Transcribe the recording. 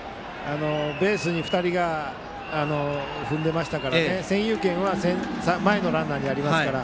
ベースを２人が踏んでいましたから占有権は前のランナーにありますから。